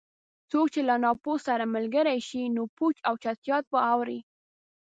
څوک چې له ناپوه سره ملګری شي؛ نو پوچ او چټیات به اوري.